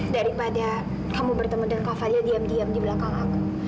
daripada kamu bertemu dengan kakak diam diam di belakang aku